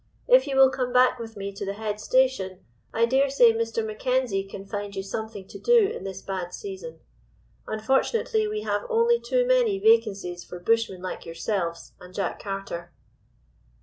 If you will come back with me to the head station, I dare say Mr. Mackenzie can find you something to do in this bad season. Unfortunately, we have only too many vacancies for bushmen like yourselves and Jack Carter.